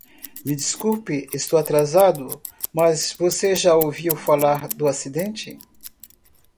Me desculpe, estou atrasado, mas você já ouviu falar do acidente?